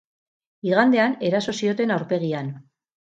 Igandean eraso zioten aurpegian.